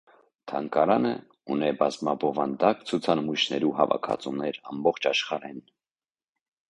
Թանգարանը ունի բազմաբովանդակ ցուցանմոյշներու հաւաքածոներ՝ ամբողջ աշխարհէն։